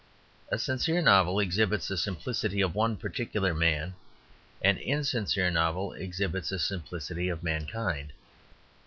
A sincere novel exhibits the simplicity of one particular man; an insincere novel exhibits the simplicity of mankind.